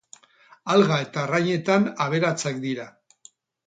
Alga eta arrainetan aberatsak dira.